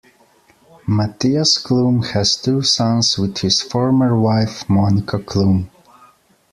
Mattias Klum has two sons with his former wife Monika Klum.